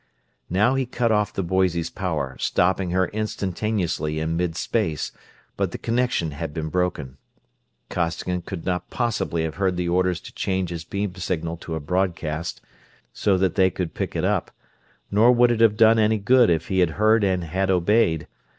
Now he cut off the Boise's power, stopping her instantaneously in mid space, but the connection had been broken. Costigan could not possibly have heard the orders to change his beam signal to a broadcast, so that they could pick it up; nor would it have done any good if he had heard and had obeyed.